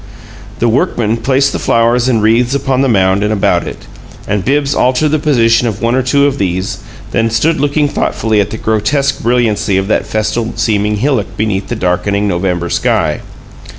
The workmen placed the flowers and wreaths upon the mound and about it, and Bibbs altered the position of one or two of these, then stood looking thoughtfully at the grotesque brilliancy of that festal seeming hillock beneath the darkening November sky.